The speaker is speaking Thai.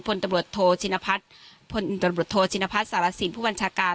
พลตำรวจโทชินพัฒน์พลตำรวจโทชินพัฒนสารสินผู้บัญชาการ